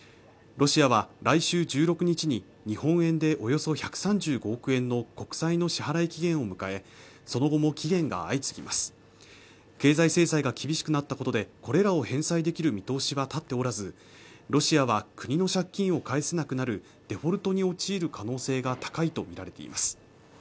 ロシアは来週１６日に日本円でおよそ１３５億円の国債の支払い期限を迎えその後も期限が相次ぎます経済制裁が厳しくなったことでこれらを返済できる見通しは立っておらずロシアは国の借金を返せなくなるデフォルトに陥る可能性が高いと見られています